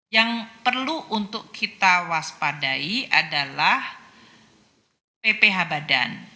yang perlu untuk kita waspadai adalah pph badan